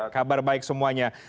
kabar baik semuanya